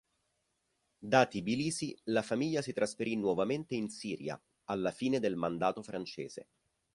Da Tbilisi la famiglia si trasferì nuovamente in Siria alla fine del Mandato francese.